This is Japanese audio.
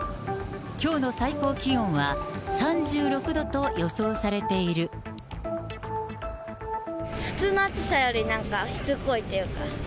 きょうの最高気温は３６度と予想普通の暑さよりなんか、しつこいというか。